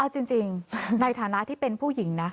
เอาจริงในฐานะที่เป็นผู้หญิงนะ